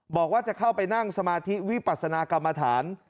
บอกว่าจะเข้าไปนั่งสมาธิวิปัสนากรรมฐาน